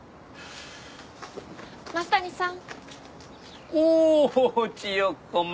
あ増谷さん